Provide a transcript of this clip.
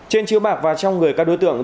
trên chiếu bạc và trong người các đối tượng